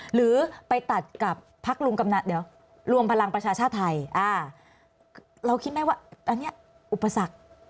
หรือไปตัดกับพักลุงกำนัดเดี๋ยวรวมพลังประชาชาติไทยเราคิดไหมว่าอันนี้อุปสรรค